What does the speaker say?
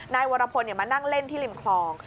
นายวรพลมานั่งเล่นที่ริมคลอง